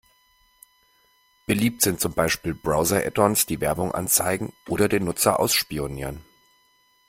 Beliebt sind zum Beispiel Browser-Addons, die Werbung anzeigen oder den Nutzer ausspionieren.